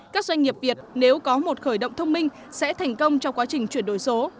các doanh nghiệp việt nếu có một khởi động thông minh sẽ thành công trong quá trình chuyển đổi số